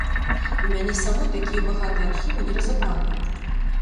У мяне самой такія багатыя архівы неразабраныя.